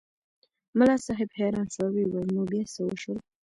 ملا صاحب حیران شو او ویې ویل نو بیا څه وشول.